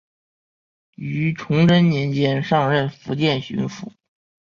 于崇祯年间上任福建巡抚。